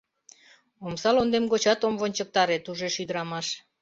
Омса лондем гочат ом вончыктаре! — тужеш ӱдырамаш.